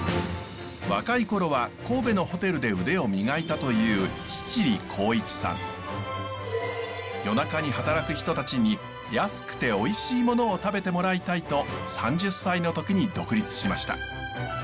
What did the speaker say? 若い頃は神戸のホテルで腕を磨いたという夜中に働く人たちに安くておいしいものを食べてもらいたいと３０歳の時に独立しました。